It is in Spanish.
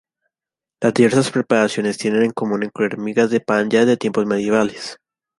Las diversas preparaciones tienen en común incluir migas de pan ya desde tiempos medievales.